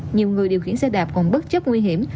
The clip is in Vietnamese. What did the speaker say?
nhiều người điều khiển xe đạp còn bất chấp nguy hiểm